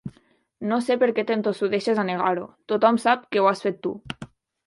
No sé per què t'entossudeixes a negar-ho: tothom sap que ho has fet tu.